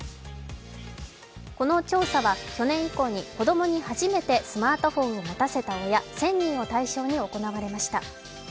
この調査は去年以降に子供に初めてスマートフォンを持たせた親、１０００人を対象に行われました。